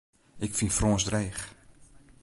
Ik fyn Frânsk dreech.